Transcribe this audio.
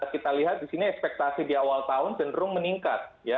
kita lihat di sini ekspektasi di awal tahun cenderung meningkat